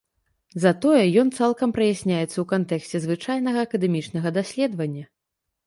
Затое ён цалкам праясняецца ў кантэксце звычайнага акадэмічнага даследавання.